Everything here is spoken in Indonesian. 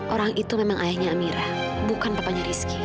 orang itu memang ayahnya amira bukan papanya rizky